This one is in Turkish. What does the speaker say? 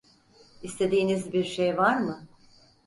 İstediğiniz bir şey var mı?